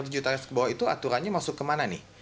tiga ratus juta ke bawah itu aturannya masuk ke mana nih